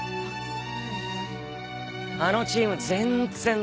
あのチーム全然駄目